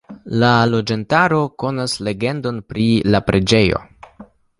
La loĝantaro konas legendon pri la preĝejo.